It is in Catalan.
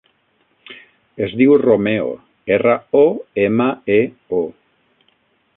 Es diu Romeo: erra, o, ema, e, o.